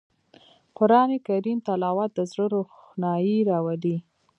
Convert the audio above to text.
قرآن کریم تلاوت د زړه روښنايي راولي